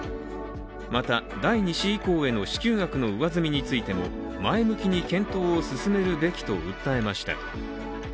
また、第２子以降への支給額の上積みについても、前向きに検討を進めるべきと訴えました。